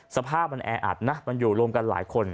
สภาพมันแออัดนะมันอยู่รวมกันหลายคน